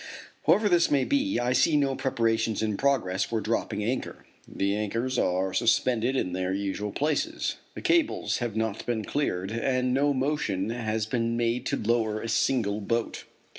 However this may be I see no preparations in progress for dropping anchor. The anchors are suspended in their usual places, the cables have not been cleared, and no motion has been made to lower a single boat.